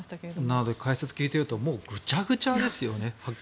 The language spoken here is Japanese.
解説を聞いてるとぐちゃぐちゃですよね。